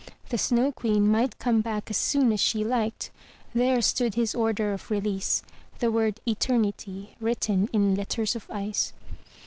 The Snow Queen might come back as soon as she liked; there stood his order of release — the word "Eternity" written in letters of ice.